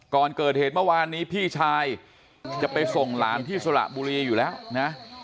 ก่อนเกิดเหตุเมื่อวานนี้พี่ชายจะไปส่งหลานที่สระบุรีอยู่แล้วนะ